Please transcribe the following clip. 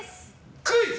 クイズ！